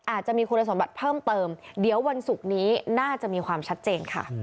อาจจะมีคุณสมบัติเพิ่มเติมเดี๋ยววันศุกร์นี้น่าจะมีความชัดเจนค่ะ